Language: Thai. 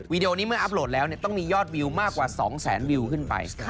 นี้เมื่ออัพโหลดแล้วต้องมียอดวิวมากกว่า๒แสนวิวขึ้นไป